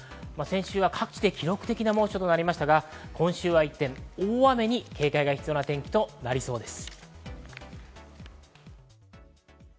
先週は各地で記録的な猛暑となりましたが、今週は一転、大雨に警戒が必要な天気となりそうです。